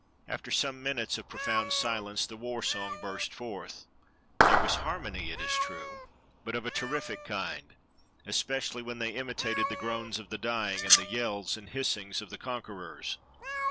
After some minutes of profound silence, the war song burst forth. There was harmony, it is true, but of a ter rific kind, especially when they imitated the groans of the dying and the yells and hissings of the conquerors.